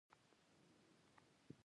د شمال په ډیرو سیمو کې یوازې یوه راډیو وي